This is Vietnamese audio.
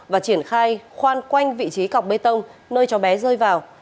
và triển khai khoan quanh vị trí cọc bê tông nơi cháu bé rơi vào